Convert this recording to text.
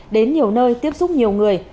đến nhiều nơi tiếp xúc nhiều người